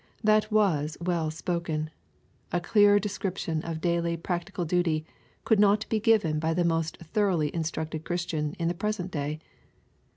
That was well spoken. A clearer description of daily practical duty could not be given by the most thoroughly instructed Christian in the present day.